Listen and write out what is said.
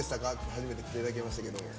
初めて出ていただきましたけど。